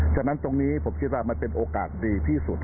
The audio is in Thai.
ฉะนั้นตรงนี้ผมคิดว่ามันเป็นโอกาสดีที่สุด